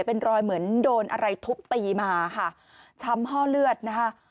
เป็นรอยเหมือนโดนอะไรทุบตีมาค่ะช้ำห้อเลือดนะคะ